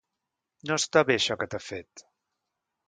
No està bé això que t'ha fet.